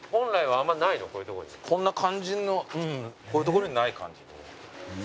こんな感じのこういう所にない感じ。